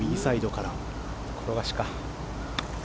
転がしか。